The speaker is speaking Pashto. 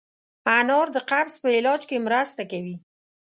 انار د قبض په علاج کې مرسته کوي.